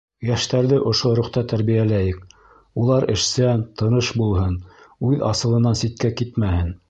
Йәштәрҙе ошо рухта тәрбиәләйек, улар эшсән, тырыш булһын, үҙ асылынан ситкә китмәһен.